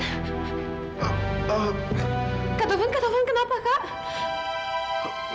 kak tovan kak tovan kenapa kak